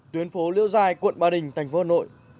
tuyến phố liễu giai quận ba đình thành phố hà nội